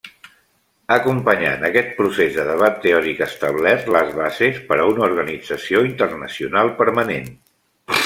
Acompanyant aquest procés de debat teòric establert les bases per a una organització internacional permanent.